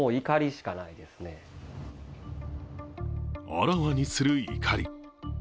あらわにする怒り。